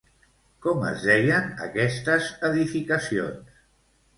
Com es deien aquestes edificacions?